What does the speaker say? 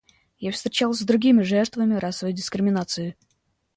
Я встречалась с другими жертвами расовой дискриминации.